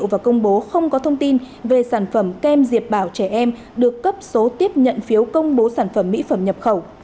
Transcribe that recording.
và công bố không có thông tin về sản phẩm kem diệp bảo trẻ em được cấp số tiếp nhận phiếu công bố sản phẩm mỹ phẩm nhập khẩu